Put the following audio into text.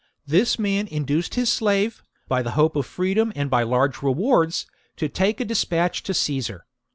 This man induced his slave,' by the hope of freedom and by large rewards, to take a dispatch to Caesar.